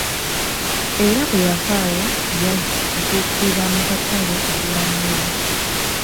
Era bwe yava awo yaggukira mu katale kugula miyembe!